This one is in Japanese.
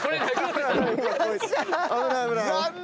危ない危ない。